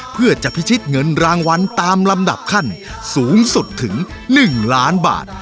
เพื่อจะพิชิตเงินรางวัลตามลำดับขั้นสูงสุดถึง๑ล้านบาท